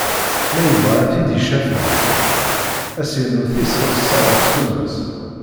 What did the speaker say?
Ma yebɣa ad t-id-icafeɛ, ad s-irnu tis xemsa ɣef ssuma-s.